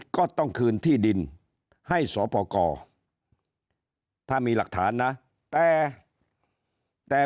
ก็ต้องคืนที่ดินให้สปกรถ้ามีหลักฐานนะแต่แต่